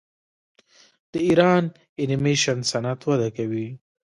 د ایران انیمیشن صنعت وده کوي.